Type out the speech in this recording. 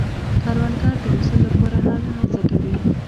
کروندګر د حاصل لپاره هره هڅه کوي